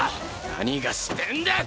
何がしてぇんだよ